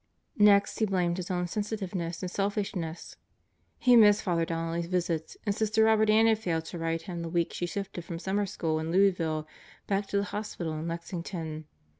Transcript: Next he blamed his own sensitiveness and selfishness. He missed Father Don nelly's visits, and Sister Robert Ann had failed to write him the week she shifted from summer school in Louisville back to the Hospital in Lexington.